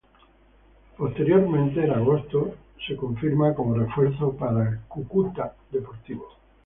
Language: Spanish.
Posteriormente, en agosto, es confirmado como refuerzo para el Cúcuta Deportivo.